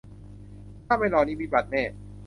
ถ้าไม่รอนี่วิบัติแน่